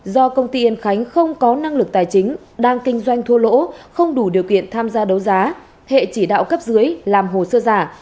do công ty yên khánh không có năng lực tài chính đang kinh doanh thua lỗ không đủ điều kiện tham gia đấu giá hệ chỉ đạo cấp dưới làm hồ sơ giả